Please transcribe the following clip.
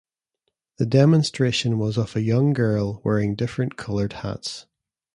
The demonstration was of a young girl wearing different coloured hats.